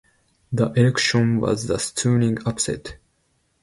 The election was a stunning upset.